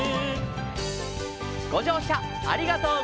「ごじょうしゃありがとうございます」